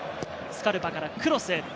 スカルパからクロス。